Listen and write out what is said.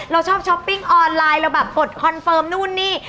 เราชอบช้อปปิ้งออนไลน์เราแบบกดคอนเฟิร์มนู่นนี่